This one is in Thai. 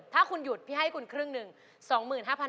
ถ้าคุณหยุดพี่ให้คุณครึ่งหนึ่ง